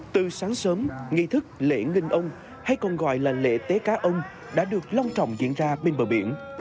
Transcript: từ sáng sớm nghi thức lễ nghinh ông hay còn gọi là lễ tế cá ông đã được long trọng diễn ra bên bờ biển